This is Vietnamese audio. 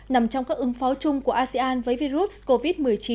nằm trong các ứng phó chung của asean với virus covid một mươi chín